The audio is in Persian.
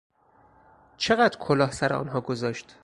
چقدر کلاه سرآنها گذاشت؟